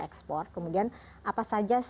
ekspor kemudian apa saja